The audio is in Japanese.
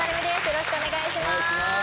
よろしくお願いします。